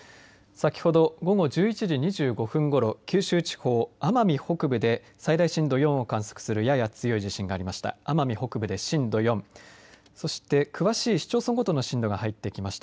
先ほど午後１１時２５分ごろ九州地方奄美北部で最大震度４を観測するやや強い地震がありました。